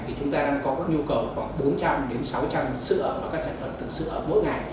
thì chúng ta đang có nhu cầu khoảng bốn trăm linh sáu trăm linh sữa và các sản phẩm từ sữa mỗi ngày